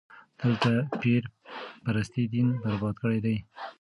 دلته پير پرستي دين برباد کړی دی.